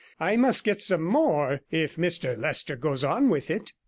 I must get in some more, if Mr Leicester goes on with it.'